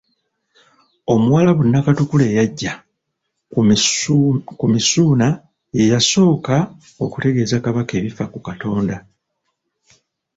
Omuwarabu Nakatukula eyajja, ku Misuuna ye yasooka okutegeeza Kabaka ebifa ku Katonda.